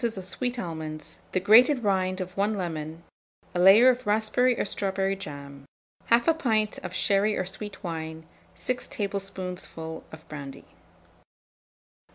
of sweet almonds, the grated rind of 1 lemon, a layer of raspberry or strawberry jam, 1/2 pint of sherry or sweet wine, 6 tablespoonfuls of brandy.